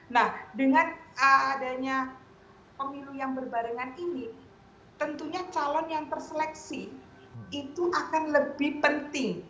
nah dengan adanya pemilu yang berbarengan ini tentunya calon yang terseleksi itu akan lebih penting